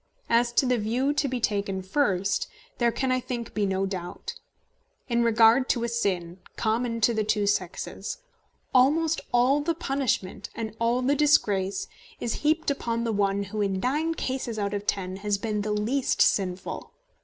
As to the view to be taken first, there can, I think, be no doubt. In regard to a sin common to the two sexes, almost all the punishment and all the disgrace is heaped upon the one who in nine cases out of ten has been the least sinful.